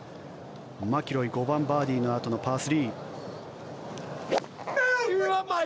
マキロイ５番、バーディーのあとのパー３。